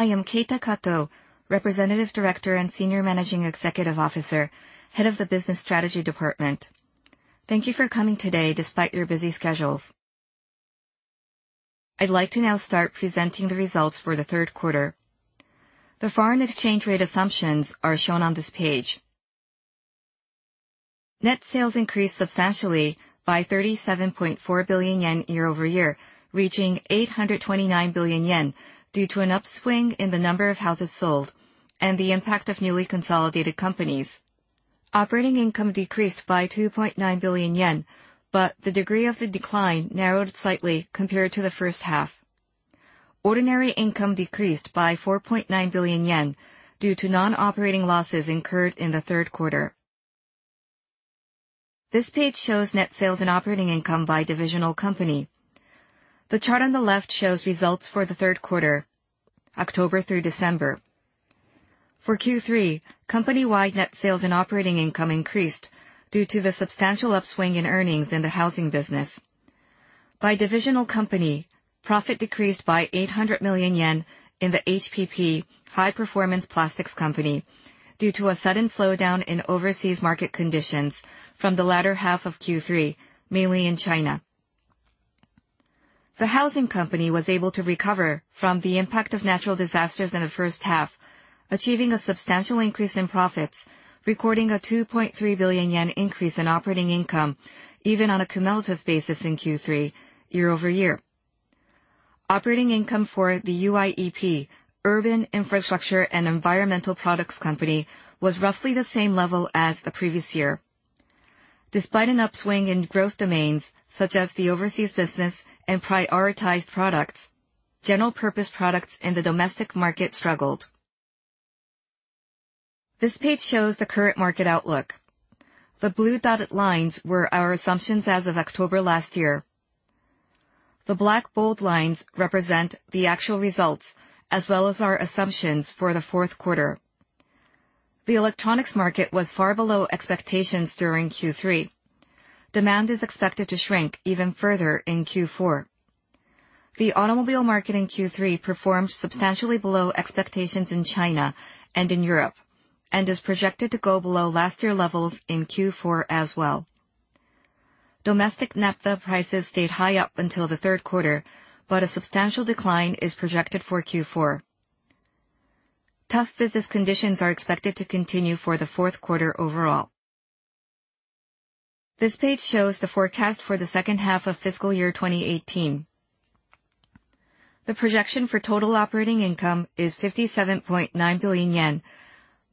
I am Keita Kato, Representative Director and Senior Managing Executive Officer, Head of the Business Strategy Department. Thank you for coming today despite your busy schedules. I'd like to now start presenting the results for the third quarter. The foreign exchange rate assumptions are shown on this page. Net sales increased substantially by 37.4 billion yen year-over-year, reaching 829 billion yen due to an upswing in the number of houses sold and the impact of newly consolidated companies. Operating income decreased by 2.9 billion yen, but the degree of the decline narrowed slightly compared to the first half. Ordinary income decreased by 4.9 billion yen due to non-operating losses incurred in the third quarter. This page shows net sales and operating income by divisional company. The chart on the left shows results for the third quarter, October through December. For Q3, company-wide net sales and operating income increased due to the substantial upswing in earnings in the housing business. By divisional company, profit decreased by 800 million yen in the HPP, High Performance Plastics Company, due to a sudden slowdown in overseas market conditions from the latter half of Q3, mainly in China. The housing company was able to recover from the impact of natural disasters in the first half, achieving a substantial increase in profits, recording a 2.3 billion yen increase in operating income, even on a cumulative basis in Q3 year-over-year. Operating income for the UIEP, Urban Infrastructure and Environmental Products Company, was roughly the same level as the previous year. Despite an upswing in growth domains such as the overseas business and prioritized products, general purpose products in the domestic market struggled. This page shows the current market outlook. The blue dotted lines were our assumptions as of October last year. The black bold lines represent the actual results as well as our assumptions for the fourth quarter. The electronics market was far below expectations during Q3. Demand is expected to shrink even further in Q4. The automobile market in Q3 performed substantially below expectations in China and in Europe and is projected to go below last year levels in Q4 as well. Domestic naphtha prices stayed high up until the third quarter, but a substantial decline is projected for Q4. Tough business conditions are expected to continue for the fourth quarter overall. This page shows the forecast for the second half of fiscal year 2018. The projection for total operating income is 57.9 billion yen,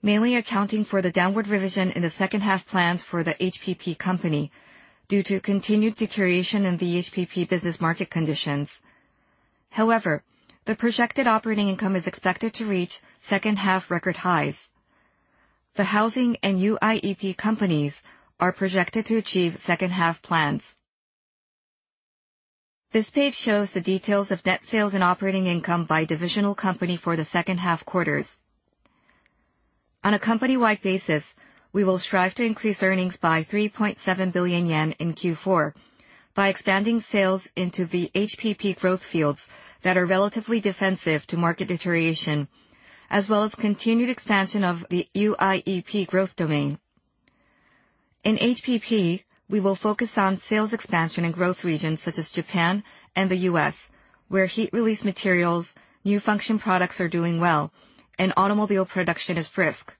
mainly accounting for the downward revision in the second half plans for the HPP Company due to continued deterioration in the HPP business market conditions. However, the projected operating income is expected to reach second half record highs. The housing and UIEP companies are projected to achieve second half plans. This page shows the details of net sales and operating income by divisional company for the second half quarters. On a company-wide basis, we will strive to increase earnings by 3.7 billion yen in Q4 by expanding sales into the HPP growth fields that are relatively defensive to market deterioration, as well as continued expansion of the UIEP growth domain. In HPP, we will focus on sales expansion in growth regions such as Japan and the U.S., where heat release materials, new function products are doing well, and automobile production is brisk.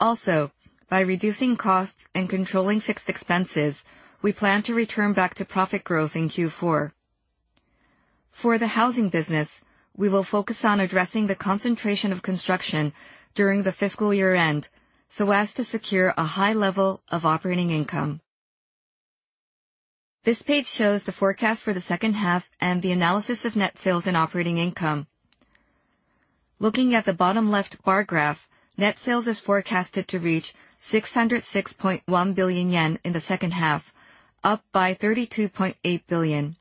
By reducing costs and controlling fixed expenses, we plan to return back to profit growth in Q4. For the housing business, we will focus on addressing the concentration of construction during the fiscal year-end so as to secure a high level of operating income. This page shows the forecast for the second half and the analysis of net sales and operating income. Looking at the bottom left bar graph, net sales is forecasted to reach 606.1 billion yen in the second half, up by 32.8 billion.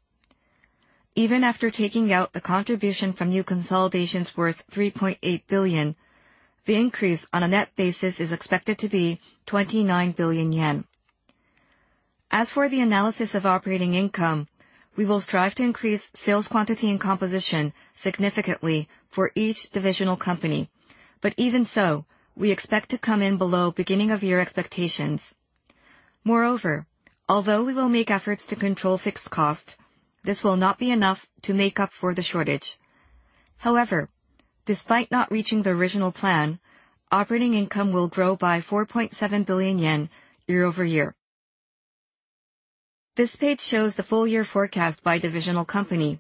Even after taking out the contribution from new consolidations worth 3.8 billion, the increase on a net basis is expected to be 29 billion yen. As for the analysis of operating income, we will strive to increase sales quantity and composition significantly for each divisional company. Even so, we expect to come in below beginning of year expectations. Although we will make efforts to control fixed cost, this will not be enough to make up for the shortage. Despite not reaching the original plan, operating income will grow by 4.7 billion yen year-over-year. This page shows the full year forecast by divisional company.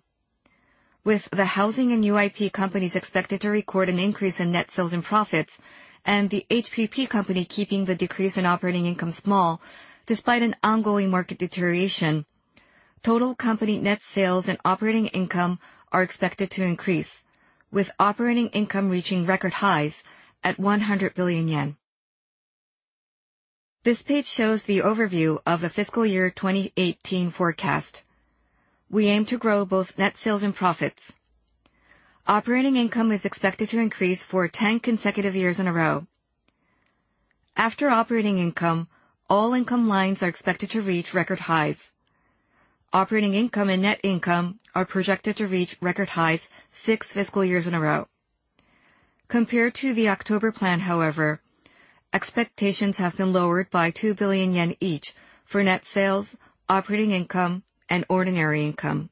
With the housing and UIEP companies expected to record an increase in net sales and profits and the HPP Company keeping the decrease in operating income small despite an ongoing market deterioration, total company net sales and operating income are expected to increase, with operating income reaching record highs at 100 billion yen. This page shows the overview of the fiscal year 2018 forecast. We aim to grow both net sales and profits. Operating income is expected to increase for 10 consecutive years in a row. After operating income, all income lines are expected to reach record highs. Operating income and net income are projected to reach record highs six fiscal years in a row. Compared to the October plan, however, expectations have been lowered by 2 billion yen each for net sales, operating income, and ordinary income.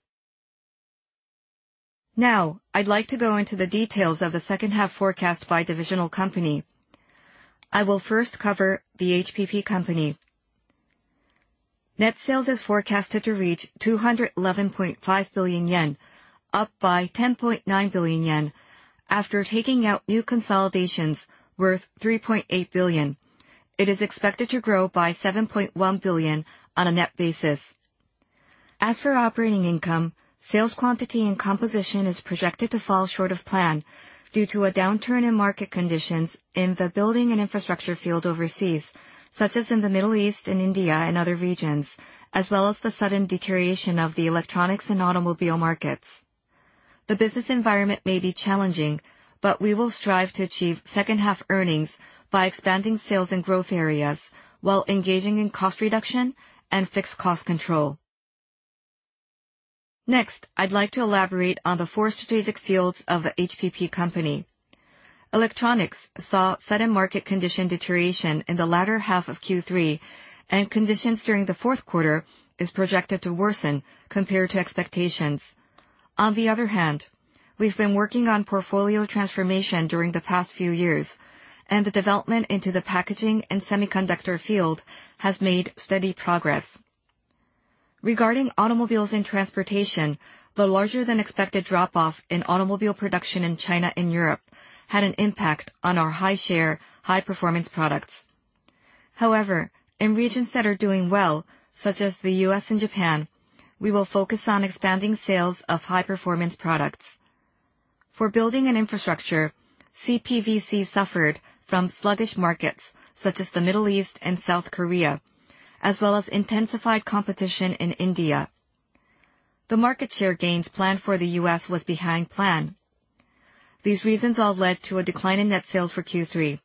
I'd like to go into the details of the second half forecast by divisional company. I will first cover the HPP Company. Net sales is forecasted to reach 211.5 billion yen, up by 10.9 billion yen. After taking out new consolidations worth 3.8 billion, it is expected to grow by 7.1 billion on a net basis. As for operating income, sales quantity and composition is projected to fall short of plan due to a downturn in market conditions in the building and infrastructure field overseas, such as in the Middle East and India and other regions, as well as the sudden deterioration of the electronics and automobile markets. The business environment may be challenging, we will strive to achieve second half earnings by expanding sales in growth areas while engaging in cost reduction and fixed cost control. I'd like to elaborate on the four strategic fields of the HPP Company. Electronics saw sudden market condition deterioration in the latter half of Q3, and conditions during the fourth quarter is projected to worsen compared to expectations. We've been working on portfolio transformation during the past few years, and the development into the packaging and semiconductor field has made steady progress. Regarding automobiles and transportation, the larger than expected drop-off in automobile production in China and Europe had an impact on our high-share, high-performance products. In regions that are doing well, such as the U.S. and Japan, we will focus on expanding sales of high-performance products. For building and infrastructure, CPVC suffered from sluggish markets such as the Middle East and South Korea, as well as intensified competition in India. The market share gains planned for the U.S. was behind plan. These reasons all led to a decline in net sales for Q3.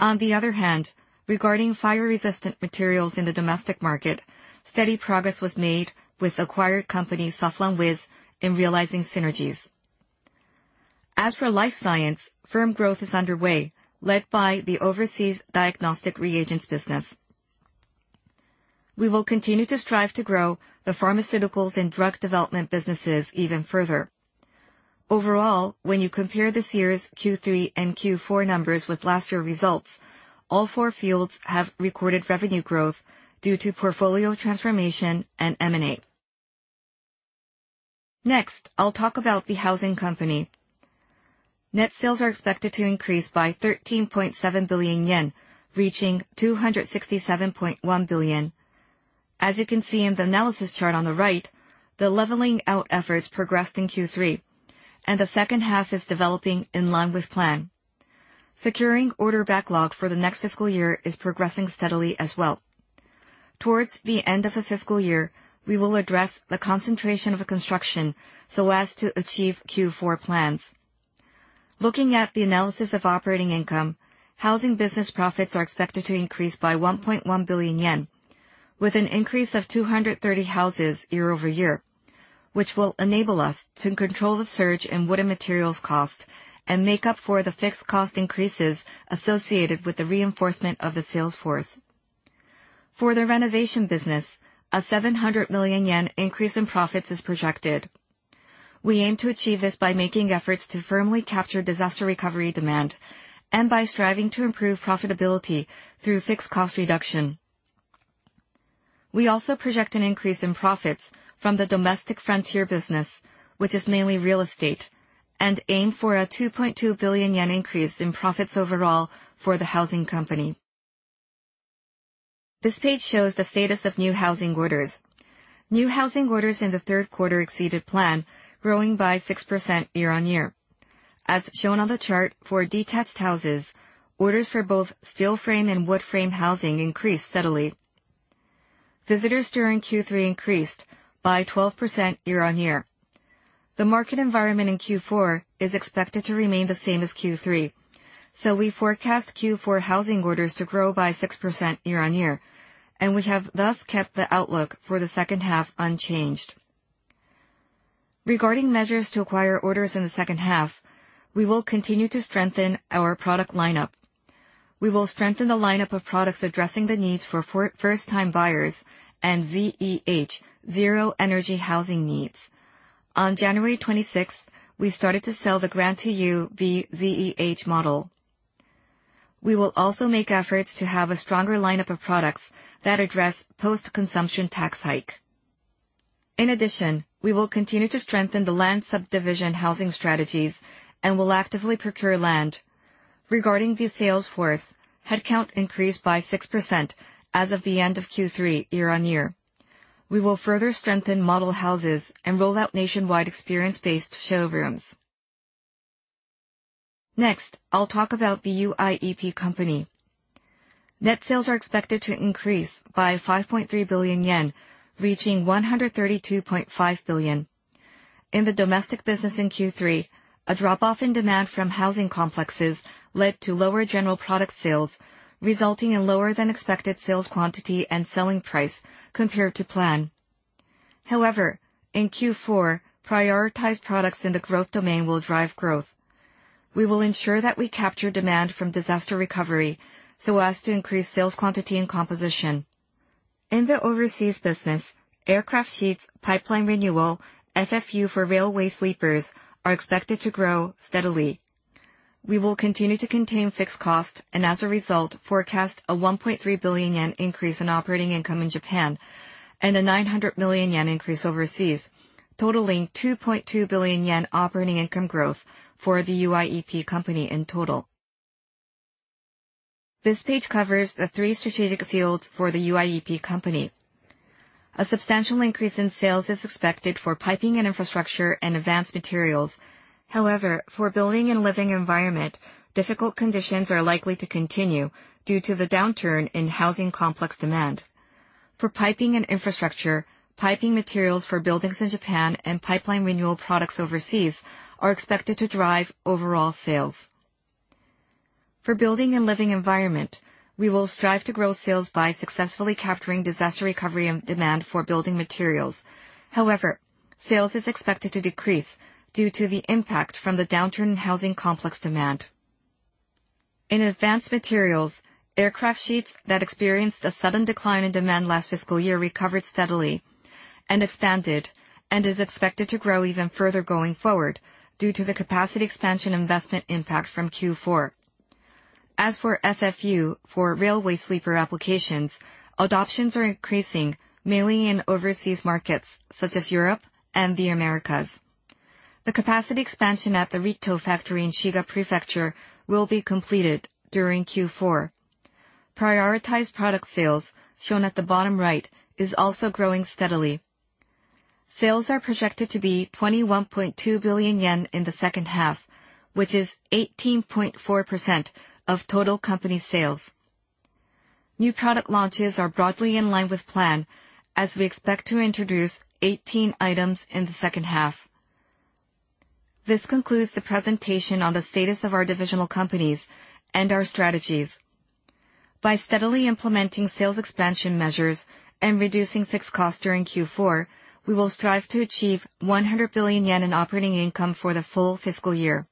On the other hand, regarding fire-resistant materials in the domestic market, steady progress was made with acquired company, Soflan, in realizing synergies. As for life science, firm growth is underway, led by the overseas diagnostic reagents business. We will continue to strive to grow the pharmaceuticals and drug development businesses even further. Overall, when you compare this year's Q3 and Q4 numbers with last year's results, all four fields have recorded revenue growth due to portfolio transformation and M&A. Next, I'll talk about the housing company. Net sales are expected to increase by 13.7 billion yen, reaching 267.1 billion. As you can see in the analysis chart on the right, the leveling out efforts progressed in Q3, and the second half is developing in line with plan. Securing order backlog for the next fiscal year is progressing steadily as well. Towards the end of the fiscal year, we will address the concentration of construction so as to achieve Q4 plans. Looking at the analysis of operating income, housing business profits are expected to increase by 1.1 billion yen, with an increase of 230 houses year-over-year, which will enable us to control the surge in wooden materials cost and make up for the fixed cost increases associated with the reinforcement of the sales force. For the renovation business, a 700 million yen increase in profits is projected. We aim to achieve this by making efforts to firmly capture disaster recovery demand and by striving to improve profitability through fixed cost reduction. We also project an increase in profits from the domestic frontier business, which is mainly real estate, and aim for a 2.2 billion yen increase in profits overall for the housing company. This page shows the status of new housing orders. New housing orders in the third quarter exceeded plan, growing by 6% year-on-year. As shown on the chart, for detached houses, orders for both steel frame and wood frame housing increased steadily. Visitors during Q3 increased by 12% year-on-year. The market environment in Q4 is expected to remain the same as Q3. We forecast Q4 housing orders to grow by 6% year-on-year, and we have thus kept the outlook for the second half unchanged. Regarding measures to acquire orders in the second half, we will continue to strengthen our product lineup. We will strengthen the lineup of products addressing the needs for first-time buyers and ZEH, Zero Energy Housing needs. On January 26th, we started to sell the Grand To You V ZEH model. We will also make efforts to have a stronger lineup of products that address post-consumption tax hike. In addition, we will continue to strengthen the land subdivision housing strategies and will actively procure land. Regarding the sales force, headcount increased by 6% as of the end of Q3 year-on-year. We will further strengthen model houses and roll out nationwide experience-based showrooms. Next, I'll talk about the UIEP Company. Net sales are expected to increase by 5.3 billion yen, reaching 132.5 billion. In the domestic business in Q3, a drop-off in demand from housing complexes led to lower general product sales, resulting in lower than expected sales quantity and selling price compared to plan. In Q4, prioritized products in the growth domain will drive growth. We will ensure that we capture demand from disaster recovery so as to increase sales quantity and composition. In the overseas business, aircraft sheets, pipeline renewal, FFU for railway sleepers are expected to grow steadily. We will continue to contain fixed cost and as a result, forecast a 1.3 billion yen increase in operating income in Japan and a 900 million yen increase overseas, totaling 2.2 billion yen operating income growth for the UIEP Company in total. This page covers the three strategic fields for the UIEP Company. A substantial increase in sales is expected for piping and infrastructure and advanced materials. However, for building and living environment, difficult conditions are likely to continue due to the downturn in housing complex demand. For piping and infrastructure, piping materials for buildings in Japan and pipeline renewal products overseas are expected to drive overall sales. For building and living environment, we will strive to grow sales by successfully capturing disaster recovery and demand for building materials. However, sales is expected to decrease due to the impact from the downturn in housing complex demand. In advanced materials, aircraft sheets that experienced a sudden decline in demand last fiscal year recovered steadily and expanded, and is expected to grow even further going forward due to the capacity expansion investment impact from Q4. As for FFU, for railway sleeper applications, adoptions are increasing mainly in overseas markets such as Europe and the Americas. The capacity expansion at the Ritto Plant in Shiga Prefecture will be completed during Q4. Prioritized product sales, shown at the bottom right, is also growing steadily. Sales are projected to be 21.2 billion yen in the second half, which is 18.4% of total company sales. New product launches are broadly in line with plan as we expect to introduce 18 items in the second half. This concludes the presentation on the status of our divisional companies and our strategies. By steadily implementing sales expansion measures and reducing fixed costs during Q4, we will strive to achieve 100 billion yen in operating income for the full fiscal year.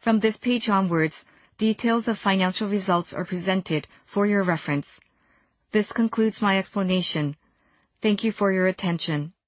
From this page onwards, details of financial results are presented for your reference. This concludes my explanation. Thank you for your attention.